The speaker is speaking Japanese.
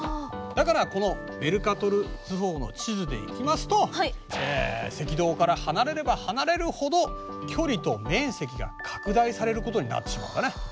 だからこのメルカトル図法の地図でいきますと赤道から離れれば離れるほど距離と面積が拡大されることになってしまうんだね。